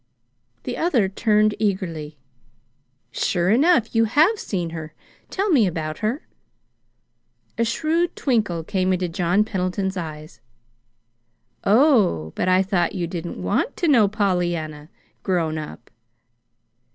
The other turned eagerly. "Sure enough, you have seen her! Tell me about her." A shrewd twinkle came into John Pendleton's eyes. "Oh, but I thought you didn't want to know Pollyanna grown up."